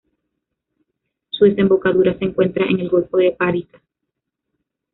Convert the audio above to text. Su desembocadura se encuentra en el golfo de Parita.